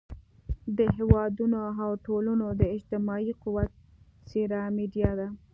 د هېوادونو او ټولنو د اجتماعي قوت څېره میډیا ده.